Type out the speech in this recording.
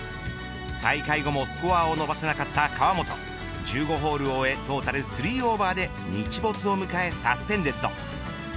再開後もスコアを伸ばせなかった河本１５ホールを終えトータル３オーバーで日没を迎えサスペンデッド。